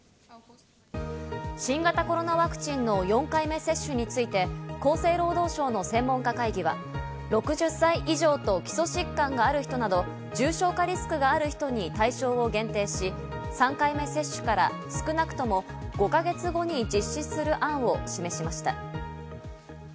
新型コロナワクチンの４回目接種について、厚生労働省の専門家会議は６０歳以上と基礎疾患がある人など重症化リスクがある人に対象を限定し、３回目接種から少なくとも５か月後に実施する案を示しました。